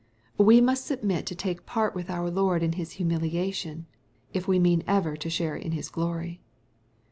Wo must submit to take part with our Lord in His humilia tion, if we mean evei* to share in his glory.